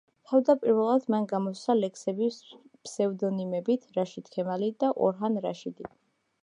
თავდაპირველად, მან გამოსცა ლექსები ფსევდონიმებით რაშიდ ქემალი და ორჰან რაშიდი.